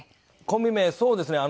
コンビ名そうですね。